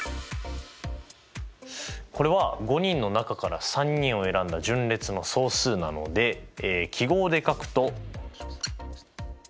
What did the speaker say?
これは５人の中から３人を選んだ順列の総数なので記号で書くと。